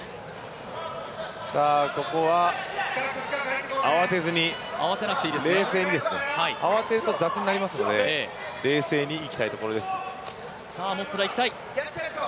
ここは慌てずに冷静にですね、慌てると雑になりますので冷静にいきたいところです。